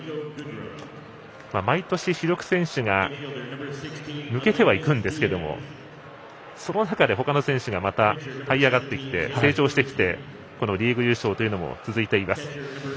毎年、主力選手が抜けてはいくんですけれどもその中でほかの選手がはい上がって成長してきてリーグ優勝も続いています。